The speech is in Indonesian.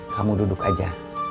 kamu duduk aja